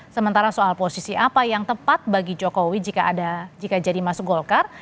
sementara soal posisi apa yang tepat bagi jokowi jika jadi masuk golkar